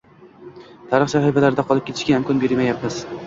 tarix sahifalarida qolib ketishga imkon bermayapmiz.